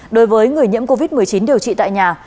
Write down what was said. đối với người nhiễm covid một mươi chín điều trị tại nhà